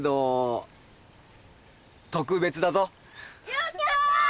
やった！